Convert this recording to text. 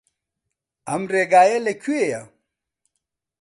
ئەم ڕێگایە لەکوێیە؟